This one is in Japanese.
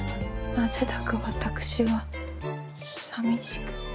なぜだか私は寂しく。